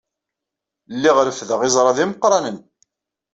Lliɣ reffdeɣ iẓra d imeqranen.